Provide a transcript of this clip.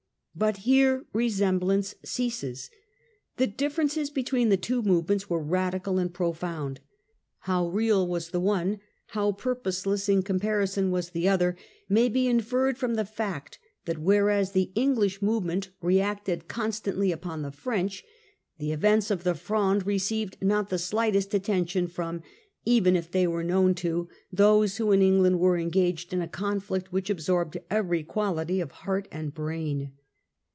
But here resemblance ceases. The differences between the two movements were radical and profound. How real was the one, how purposeless in comparison was the other, may be inferred from the fact that whereas the English movement reacted constantly upon the French, the events of the Fronde received not the slightest atten tion from, even if they were known to, those who in England were engaged in a conflict which absorbed every quality of heart and brain.